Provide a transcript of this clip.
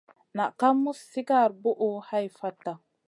Naʼ ka muz sigara buʼu hai fata.